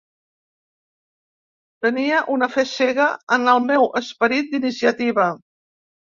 Tenia una fe cega en el meu esperit d'iniciativa.